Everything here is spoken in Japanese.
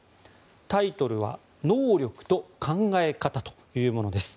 タイトルは「能力と考え方」というものです。